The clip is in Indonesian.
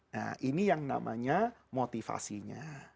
nah ini yang namanya motivasinya